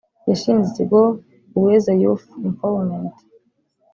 yashinze ikigo Uwezo Youth Empowerment